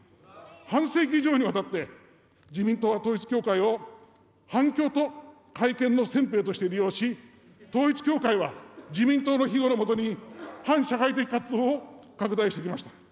半世紀以上にわたって、自民党は統一教会を反共と改憲の先兵として利用し、統一教会は自民党のひごのもとに反社会的活動を拡大してきました。